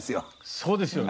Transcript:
そうですよね。